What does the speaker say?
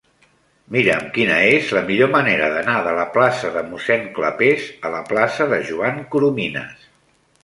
Mira'm quina és la millor manera d'anar de la plaça de Mossèn Clapés a la plaça de Joan Coromines.